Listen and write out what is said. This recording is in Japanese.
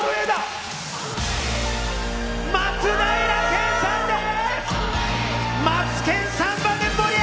松平健さんです！